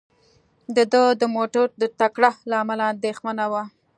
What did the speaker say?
د ده د موټر د ټکر له امله اندېښنه وه.